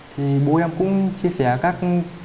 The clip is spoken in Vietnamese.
thì bố em cũng chia sẻ các